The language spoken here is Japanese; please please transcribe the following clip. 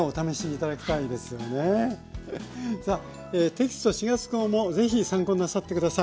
テキスト４月号もぜひ参考になさって下さい。